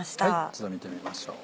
一度見てみましょう。